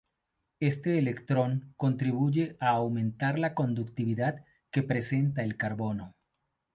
Este electrón contribuye a aumentar la conductividad que presentaba el carbono.